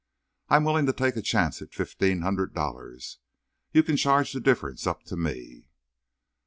I'm willing to take a chance at fifteen hundred dollars. You can charge the difference up to me."